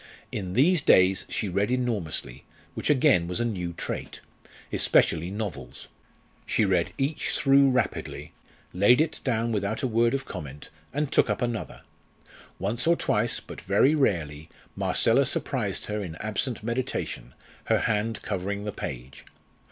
In these days she read enormously, which again was a new trait especially novels. She read each through rapidly, laid it down without a word of comment, and took up another. Once or twice, but very rarely, Marcella surprised her in absent meditation, her hand covering the page.